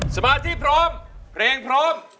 สมาธิพร้อมเพลงพร้อม